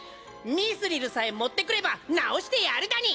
ミスリルさえ持ってくれば直してやるだに！